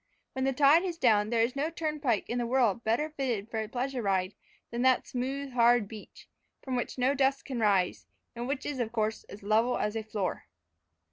When the tide is down there is no turnpike in the world better fitted for a pleasure ride than that smooth hard beach, from which no dust can rise, and which is of course as level as a floor.